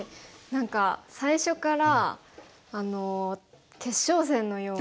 何か最初から決勝戦のような。